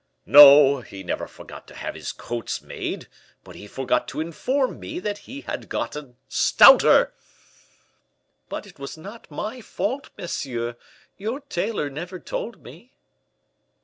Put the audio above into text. "No, he never forgot to have his coats made; but he forgot to inform me that he had got stouter!" "But it was not my fault, monsieur! your tailor never told me."